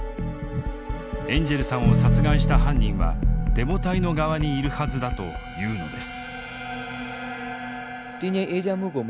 エンジェルさんを殺害した犯人はデモ隊の側にいるはずだと言うのです。